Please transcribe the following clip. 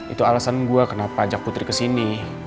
itu alasan gue kenapa ajak putri kesini